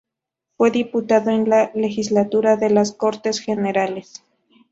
Fue diputado en la legislatura de las Cortes Generales.